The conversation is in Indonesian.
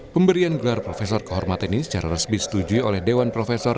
pemberian gelar profesor kehormatan ini secara resmi disetujui oleh dewan profesor